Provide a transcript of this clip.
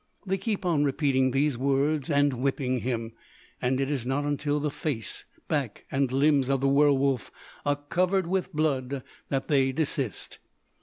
They keep on repeating these words and whipping him; and it is not until the face, back, and limbs of the werwolf are covered with blood that they desist.